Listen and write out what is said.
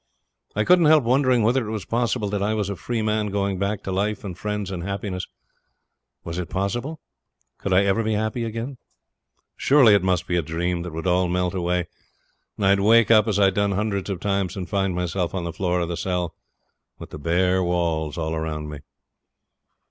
I couldn't help wondering whether it was possible that I was a free man going back to life and friends and happiness. Was it possible? Could I ever be happy again? Surely it must be a dream that would all melt away, and I'd wake up as I'd done hundreds of times and find myself on the floor of the cell, with the bare walls all round me.